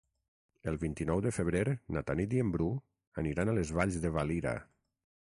El vint-i-nou de febrer na Tanit i en Bru aniran a les Valls de Valira.